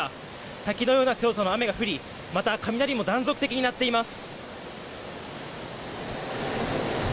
滝のような強さの雨が降りまた雷も断続的に鳴っています。